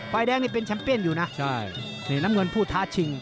แดงนี่เป็นแชมเปียนอยู่นะใช่นี่น้ำเงินผู้ท้าชิง